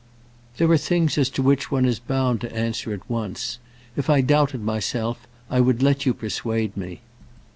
"There are things as to which one is bound to answer at once. If I doubted myself, I would let you persuade me.